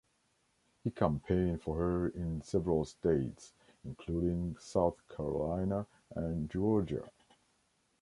He campaigned for her in several states, including South Carolina and Georgia.